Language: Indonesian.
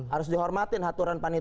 harus dihormatin aturan panitia